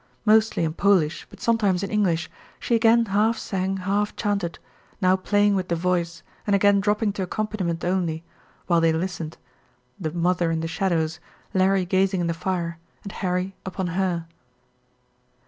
Mostly in Polish, but sometimes in English, she again half sang, half chanted, now playing with the voice, and again dropping to accompaniment only, while they listened, the mother in the shadows, Larry gazing in the fire, and Harry upon her.